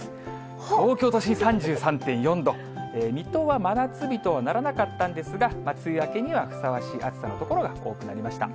東京都心３３．４度、水戸は真夏日とはならなかったんですが、梅雨明けにはふさわしい暑さの所が多くなりました。